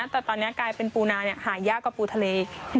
แต่ตอนนี้กลายเป็นปูนาหายากกว่าปูทะเล